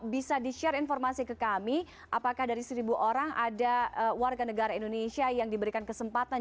bisa di share informasi ke kami apakah dari seribu orang ada warga negara indonesia yang diberikan kesempatan